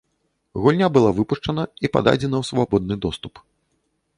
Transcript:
Гульня была выпушчана і пададзена ў свабодны доступ.